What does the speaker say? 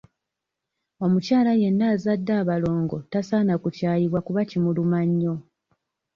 Omukyala yenna azadde abalongo tasaana kukyayibwa kuba kimuluma nnyo.